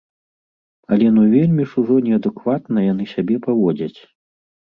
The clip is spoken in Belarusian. Але ну вельмі ж ужо неадэкватна яны сябе паводзяць.